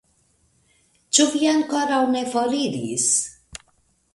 Ĉu vi ankoraŭ ne foriris?